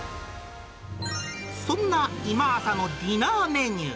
そんな今朝のディナーメニュー。